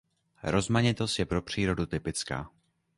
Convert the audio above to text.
Rozmanitost je pro přírodu typická.